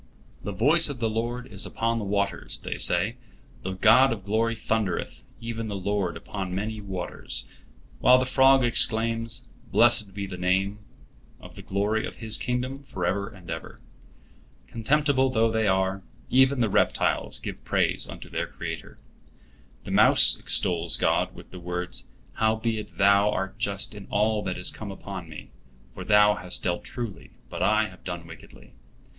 "The voice of the Lord is upon the waters," they say, "the God of glory thundereth, even the Lord upon many waters"; while the frog exclaims, "Blessed be the name of the glory of His kingdom forever and ever." Contemptible though they are, even the reptiles give praise unto their Creator. The mouse extols God with the words: "Howbeit Thou art just in all that is come upon me; for Thou hast dealt truly, but I have done wickedly."